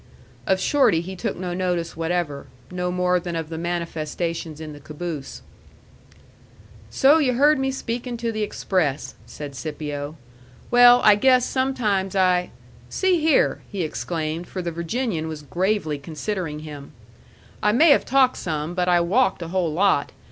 Of Shorty he took no notice whatever no more than of the manifestations in the caboose. "So yu' heard me speakin' to the express," said Scipio. "Well, I guess, sometimes I See here," he exclaimed, for the Virginian was gravely considering him, "I may have talked some, but I walked a whole lot.